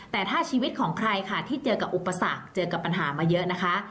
แต่ถ้าชีวิตของใครค่ะที่เจอกับอุปสรรคเจอกับปัญหามาเยอะนะคะ